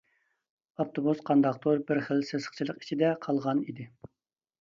ئاپتوبۇس قانداقتۇر بىر خىل سېسىقچىلىق ئىچىدە قالغان ئىدى.